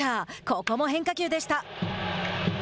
ここも変化球でした。